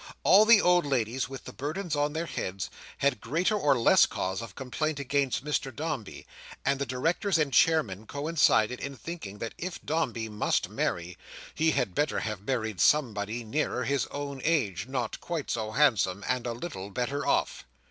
All the old ladies with the burdens on their heads, had greater or less cause of complaint against Mr Dombey; and the Directors and Chairmen coincided in thinking that if Dombey must marry, he had better have married somebody nearer his own age, not quite so handsome, and a little better off.